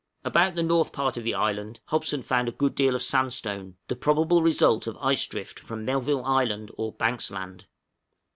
About the north part of the island Hobson found a good deal of sandstone, the probable result of ice drift from Melville Island or Banks Land.